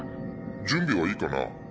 準備はいいかなあ？